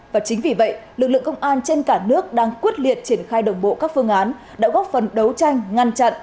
và chính vì vậy lực lượng công an trên cả nước đang quyết liệt triển khai đồng bộ các phương án đã góp phần đấu tranh ngăn chặn